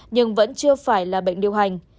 nhưng vẫn chưa phải là bệnh điều hành